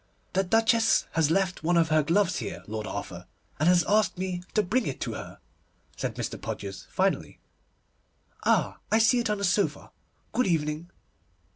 'The Duchess has left one of her gloves here, Lord Arthur, and has asked me to bring it to her,' said Mr. Podgers finally. 'Ah, I see it on the sofa! Good evening.